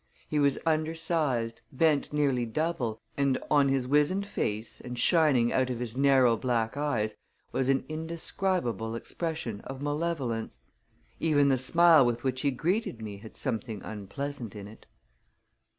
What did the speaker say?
He was undersized, bent nearly double, and on his wizened face and shining out of his narrow black eyes was an indescribable expression of malevolence. Even the smile with which he greeted me had something unpleasant in it.